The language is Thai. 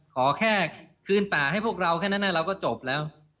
ขอแค่คืนป่าให้พวกเราแค่นั้นเราก็จบแล้ว